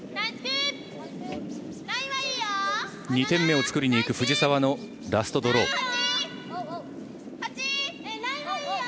２点目を作りにいく藤澤のラストドロー。